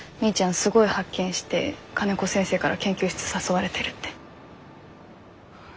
すごい発見して金子先生から研究室誘われてるって。